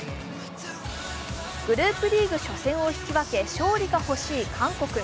グループリーグ初戦を引き分け勝利が欲しい韓国。